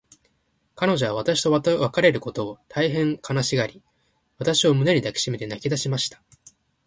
彼女は私と別れることを、大へん悲しがり、私を胸に抱きしめて泣きだしました。